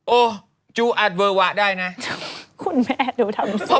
โอ้จูอัดเวอร์วะได้นะคุณแม่เดี๋ยวทำเสีย